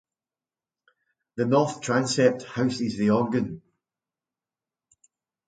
The north transept houses the organ.